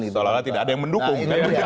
seolah olah tidak ada yang mendukung